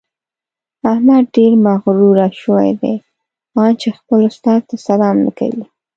احمد ډېر مغروره شوی دی؛ ان چې خپل استاد ته سلام نه کوي.